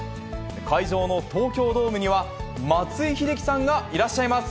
会場の東京ドームには、松井秀喜さんがいらっしゃいます。